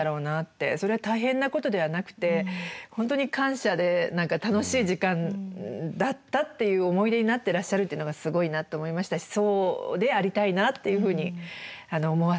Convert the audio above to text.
それは大変なことではなくて本当に感謝で何か楽しい時間だったっていう思い出になってらっしゃるっていうのがすごいなって思いましたしそうでありたいなっていうふうに思わせて頂きました。